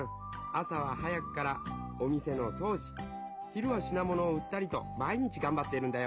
朝は早くからお店のそうじ昼はしなものを売ったりと毎日がんばっているんだよ